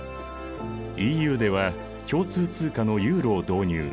ＥＵでは共通通貨のユーロを導入